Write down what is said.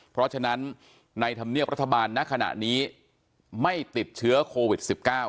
เพราะฉะนั้นในธรรมเนียบรัฐบาลณขณะนี้ไม่ติดเชื้อโควิด๑๙